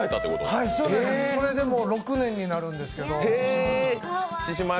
はい、それでもう６年になるんですけど。